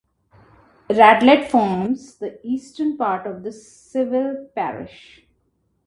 Radlett forms the eastern part of the civil parish.